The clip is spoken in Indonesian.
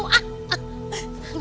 tapi sering banget